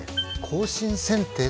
更新剪定？